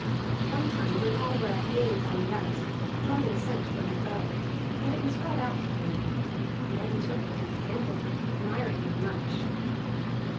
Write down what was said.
One time when all were at games on the ice, Grani sent for his bow, and it was brought out to him. Men took it and handled it, admiring it much.